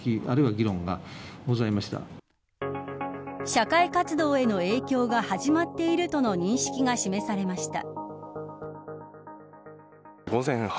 社会活動への影響が始まっているとの認識が示されました。